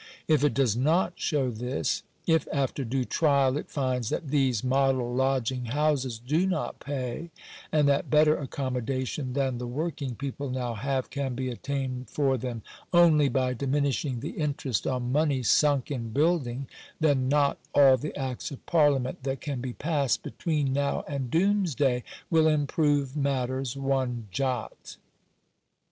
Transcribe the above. If it does not show this — if, after due trial, it finds that these Model Lodging Houses do not pay, and that better accommodation than the working people now have can be obtained for them only by diminishing the interest on money sunk in building, then not all the acts of parliament that can be passed between now and doomsday will improve matters one jot.